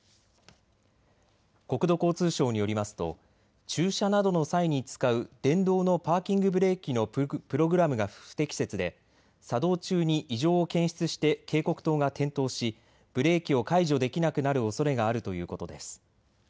国土交通省によりますと駐車などの際に使う電動のパーキングブレーキのプログラムが不適切で作動中に異常を検出して警告灯が点灯し、ブレーキを解除できなくなるおそれがあるということです。